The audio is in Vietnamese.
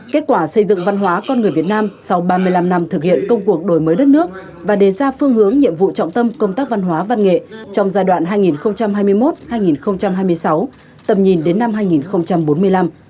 kết quả xây dựng văn hóa con người việt nam sau ba mươi năm năm thực hiện công cuộc đổi mới đất nước và đề ra phương hướng nhiệm vụ trọng tâm công tác văn hóa văn nghệ trong giai đoạn hai nghìn hai mươi một hai nghìn hai mươi sáu tầm nhìn đến năm hai nghìn bốn mươi năm